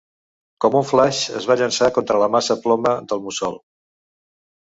Com un flaix, es va llançar contra la massa ploma del mussol.